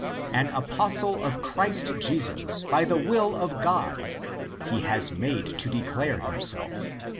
''An Apostle of Christ Jesus by the will of God'"' he is made to declare himself (i.